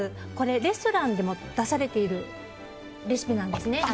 レストランでも出されているレシピなんですね。